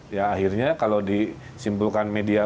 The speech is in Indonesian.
ya akhirnya kalau disimpulkan media